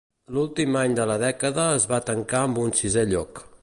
L'últim any de la dècada es va tancar amb un sisè lloc.